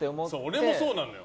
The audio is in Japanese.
俺もそうなのよ。